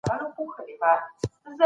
زده کړه چي وسي مهارتونه لوړېږي.